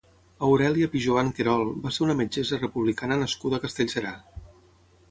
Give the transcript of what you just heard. Aurèlia Pijoan Querol va ser una metgessa republicana nascuda a Castellserà.